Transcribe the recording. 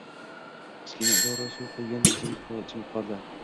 Kichkina idora suv quygandek jimib qoldi